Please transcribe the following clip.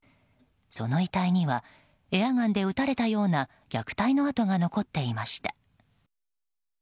その遺体にはエアガンで撃たれたような虐待の痕が残っていました。